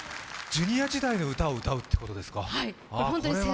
ジュニア時代の歌を歌うということですか。